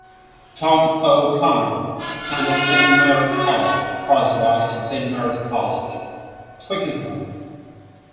Tom O'Connor attended Saint Mary's College, Crosby and Saint Mary's College, Twickenham.